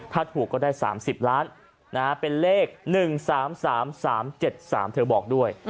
ถ้าถูกก็ได้๓๐ล้านเป็นเลข๑๓๓๓๗๓เธอบอกด้วย